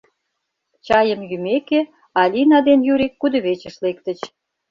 Чайым йӱмеке, Алина ден Юрик кудывечыш лектыч.